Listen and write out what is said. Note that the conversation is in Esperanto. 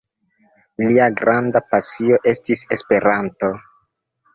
Lia granda pasio estis Esperanto.